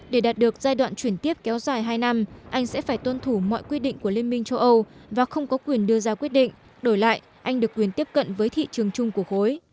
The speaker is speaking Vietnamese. để đạt được giai đoạn chuyển tiếp kéo dài hai năm anh sẽ phải tuân thủ mọi quy định của liên minh châu âu và không có quyền đưa ra quyết định đổi lại anh được quyền tiếp cận với thị trường chung của khối